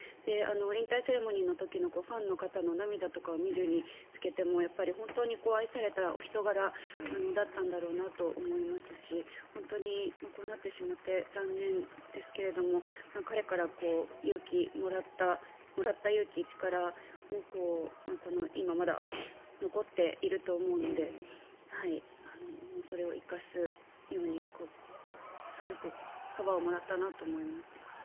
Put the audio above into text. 引退セレモニーの時のファンの方を涙を見るにつけても本当に愛されたお人柄だったんだろうなと思いますし本当にこうなってしまって残念ですけれども彼からもらった勇気、力は今、まだ残っていると思うのでそれを生かすようにすごくパワーをもらったなと思います。